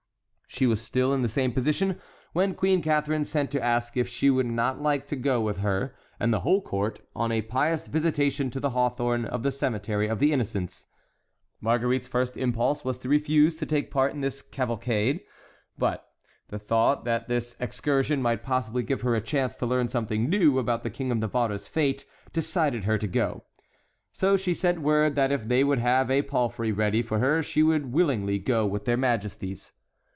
She was still in the same position when Queen Catharine sent to ask if she would not like to go with her and the whole court on a pious visitation to the hawthorn of the Cemetery of the Innocents. Marguerite's first impulse was to refuse to take part in this cavalcade. But the thought that this excursion might possibly give her a chance to learn something new about the King of Navarre's fate decided her to go. So she sent word that if they would have a palfrey ready for her she would willingly go with their majesties.